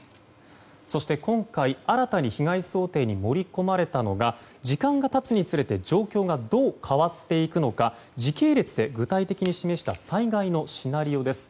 そして今回新たに被害想定に盛り込まれたのが時間が経つにつれて状況がどう変わっていくのか時系列で具体的に示した災害のシナリオです。